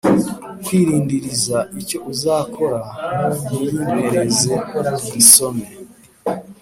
kwirindiririza icyo uzakora muyimpereze nyisome